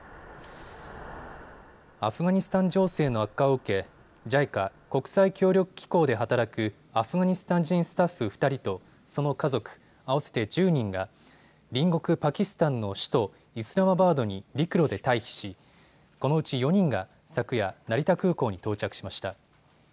アフガニスタン情勢の悪化を受けＪＩＣＡ・国際協力機構で働くアフガニスタン人スタッフ２人とその家族、合わせて１０人が隣国パキスタンの首都、イスラマバードに陸路で退避し、このうち４人が昨夜、成田空港に到着しました。